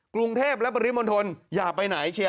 กรุงเทพและปริมณฑลอย่าไปไหนเชียร์